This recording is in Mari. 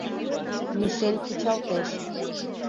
Мишель кучалтеш.